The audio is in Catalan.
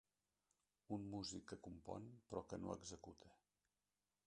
Un músic que compon, però que no executa.